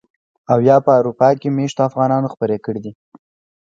او يا په اروپا کې مېشتو افغانانو خپرې کړي دي.